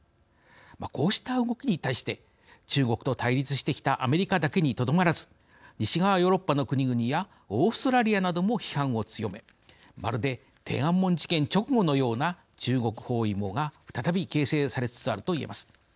こうした動きに対して中国と対立してきたアメリカだけにとどまらず西側ヨーロッパの国々やオーストラリアなども批判を強めまるで天安門事件直後のような中国包囲網が再び形成されつつあるといえます。